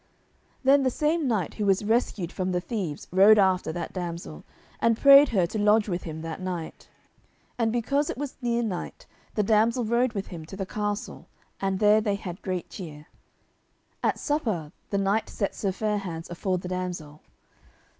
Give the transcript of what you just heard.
Then the same knight who was rescued from the thieves rode after that damsel, and prayed her to lodge with him that night. And because it was near night the damsel rode with him to the castle, and there they had great cheer. At supper the knight set Sir Fair hands afore the damsel.